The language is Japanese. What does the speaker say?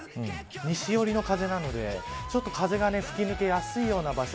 西寄りの風なので風が吹き抜けやすいような場所